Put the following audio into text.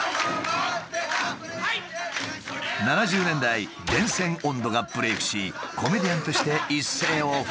７０年代「電線音頭」がブレークしコメディアンとして一世を風靡。